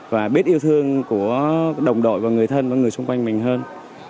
và biết yêu thương của đồng đội và người thân và người xung quanh mình hơn